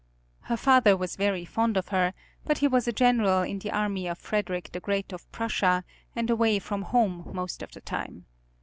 Her father was very fond of her, but he was a general in the army of Frederick the Great of Prussia, and away from home most of the time.